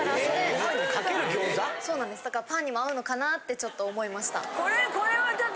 そうなんですだからパンにも合うのかなってちょっと思いました。